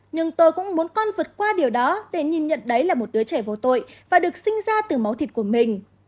nhưng tôi cũng muốn con vượt qua điều đó để nhìn nhận đấy là một đứa trẻ vô tội và được sinh ra từ máu thịt của mình